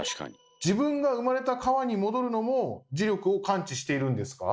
自分が生まれた川に戻るのも磁力を感知しているんですか？